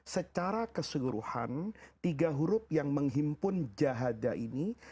secara keseluruhan tiga huruf yang menghimpun jahada ini